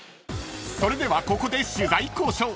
［それではここで取材交渉］